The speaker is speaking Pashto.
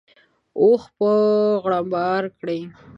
اوښ به غرمباړې کړې.